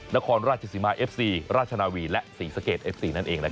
นครราชสีมาเอฟซีราชนาวีและศรีสะเกดเอฟซีนั่นเอง